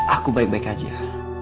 aku baik baik aja